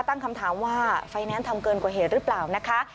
ตั้งคำถามว่าไฟแนนซ์ทำเกินกว่าเหตุหรือเปล่านะคะ